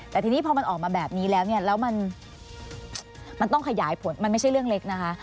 แต่ทีนี้พอมันออกมาแบบนี้แล้วเนี่ยแล้วมันต้องขยายผลมันไม่ใช่เรื่องเล็กนะคะ